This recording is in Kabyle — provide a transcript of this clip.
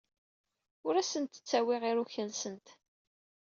Ur asent-ttawyeɣ iruka-nsent.